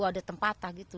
ada tempatan gitu